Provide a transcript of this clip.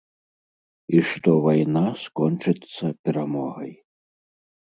І што вайна скончыцца перамогай.